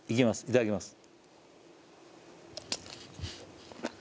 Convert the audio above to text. いただきます